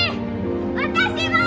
私も！